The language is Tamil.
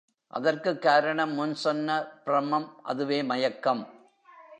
அதற்குக் காரணம் முன் சொன்ன ப்ரமம் அதுவே மயக்கம்.